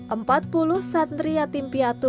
empat puluh santri yatim piatu